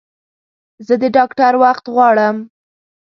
زه د ډاکټر وخت غواړم